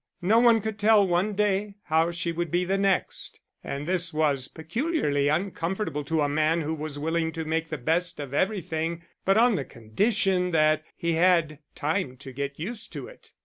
No one could tell one day, how she would be the next; and this was peculiarly uncomfortable to a man who was willing to make the best of everything, but on the condition that he had time to get used to it.